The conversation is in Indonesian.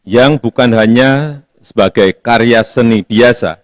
yang bukan hanya sebagai karya seni biasa